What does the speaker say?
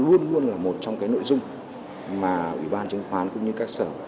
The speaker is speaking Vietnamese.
luôn luôn là một trong cái nội dung mà ủy ban chứng khoán cũng như các sở